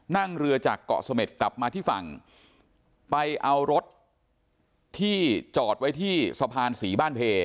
นั่งเรือจากเกาะเสม็ดกลับมาที่ฝั่งไปเอารถที่จอดไว้ที่สะพานศรีบ้านเพ